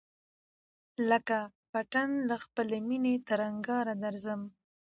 لکه پتڼ له خپلی مېني تر انگاره درځم